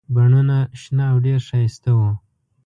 بڼونه شنه او ډېر ښایسته وو.